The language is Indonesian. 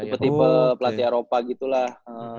tipe tipe pelatih eropa gitu lah